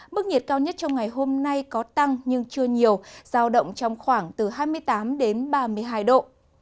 mức nhiệt cao nhất trong ngày hôm nay có tăng nhưng chưa nhiều giao động trong khoảng từ hai mươi tám đến ba mươi hai độ